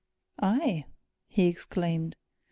"Aye!" he exclaimed.